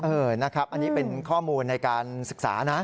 นะครับอันนี้เป็นข้อมูลในการศึกษานะ